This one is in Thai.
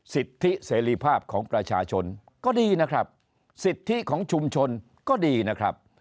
สิทธิเสรีภาพของประชาชนก็ดีนะครับสิทธิของชุมชนก็ดีนะครับ